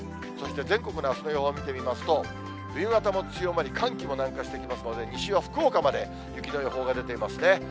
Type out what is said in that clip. そして全国のあすの予報見てみますと、冬型も強まり、寒気も南下してきますので、西は福岡まで雪の予報が出ていますね。